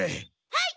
はい！